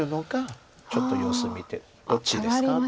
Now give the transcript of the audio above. ちょっと様子見てるどっちですかという。